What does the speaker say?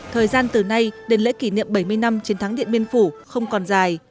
thời gian từ nay đến lễ kỷ niệm bảy mươi năm chiến thắng điện biên phủ không còn dài